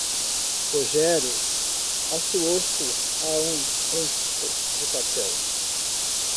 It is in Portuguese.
O Rogério assou-se a um lenço de papel.